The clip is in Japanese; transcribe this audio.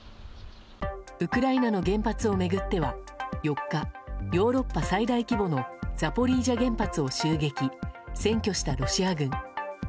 ウクライナの原発を巡っては４日ヨーロッパ最大規模のザポリージャ原発を襲撃占拠したロシア軍。